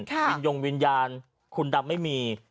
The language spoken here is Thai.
วินยงวิญญาณคุณดำไม่มี